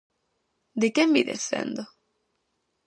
De quen vides sendo?